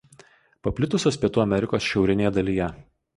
Paplitusios Pietų Amerikos šiaurinėje dalyje.